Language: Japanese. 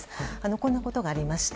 こんなことがありました。